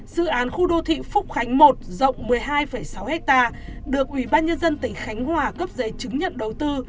dự án khu đô thị phúc khánh một rộng một mươi hai sáu hectare được ủy ban nhân dân tỉnh khánh hòa cấp giấy chứng nhận đầu tư